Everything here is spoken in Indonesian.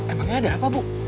emangnya ada apa bu